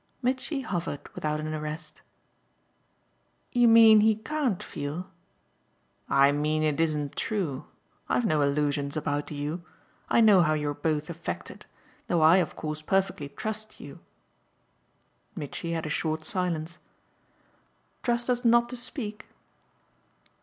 Mitchy hovered without an arrest. "You mean he CAN'T feel?" "I mean it isn't true. I've no illusions about you. I know how you're both affected, though I of course perfectly trust you." Mitchy had a short silence. "Trust us not to speak?"